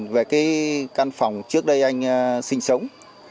về cái căn phòng trước đây anh sinh sống